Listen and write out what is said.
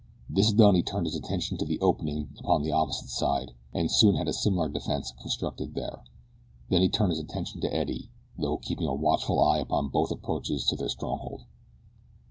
This done he turned his attention to the opening upon the opposite side and soon had a similar defense constructed there, then he turned his attention to Eddie, though keeping a watchful eye upon both approaches to their stronghold.